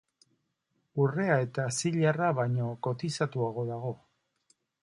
Urrea eta zilarra baino kotizatuago dago.